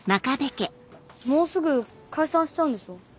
もうすぐ解散しちゃうんでしょ？